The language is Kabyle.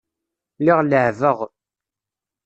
Lliɣ leɛɛbeɣ.